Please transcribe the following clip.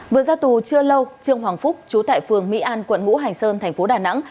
vừa ra tù chưa lâu trương hoàng phúc chú tại phường mỹ an quận ngũ hành sơn thành phố đà nẵng